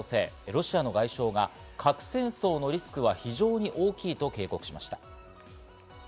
ロシアの外相が核戦争のリスクは非常に大きいとしました。